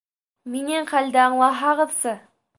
Минең хәлде аңлаһағыҙсы!